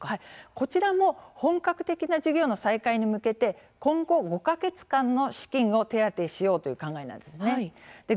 こちらも本格的な事業の再開に向け今後５か月間の資金を手当てしようというものなんですね。